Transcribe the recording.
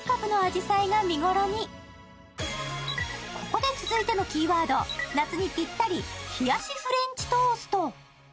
ここで続いてのキーワード、夏にピッタリ、冷やしフレンチトースト。